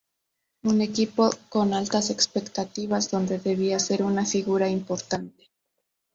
Un equipo con altas expectativas donde debía ser una figura importante.